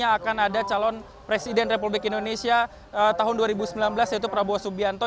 akan ada calon presiden republik indonesia tahun dua ribu sembilan belas yaitu prabowo subianto